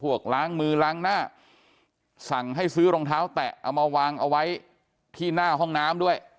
กล้างมือล้างหน้าสั่งให้ซื้อรองเท้าแตะเอามาวางเอาไว้ที่หน้าห้องน้ำด้วย